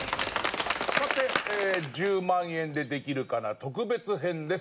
さて『１０万円でできるかな』特別編です。